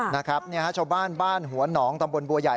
นะครับชาวบ้านบ้านหัวหนองตำบลบัวใหญ่